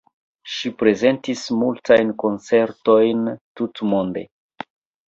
Ŝi prezentis multajn koncertojn tutmonde.